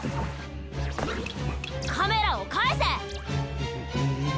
カメラをかえせ！